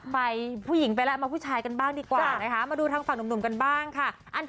ไปผู้หญิงไปแล้วมาผู้ชายกันบ้างดีกว่านะคะมาดูทางฝั่งหนุ่มกันบ้างค่ะ